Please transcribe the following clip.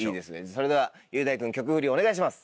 それでは雄大君曲フリお願いします。